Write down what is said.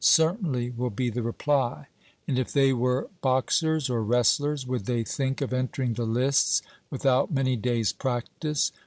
Certainly, will be the reply. And if they were boxers or wrestlers, would they think of entering the lists without many days' practice?